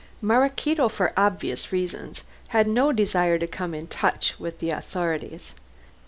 Maraquito, for obvious reasons, had no desire to come into touch with the authorities.